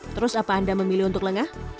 terus apa anda memilih untuk lengah